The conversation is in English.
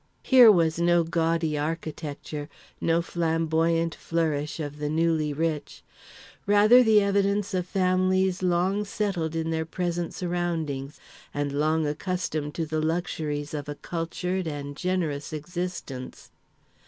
Here was no gaudy architecture, no flamboyant flourish of the newly rich; rather the evidence of families long settled in their present surroundings and long accustomed to the luxuries of a cultured and generous existence.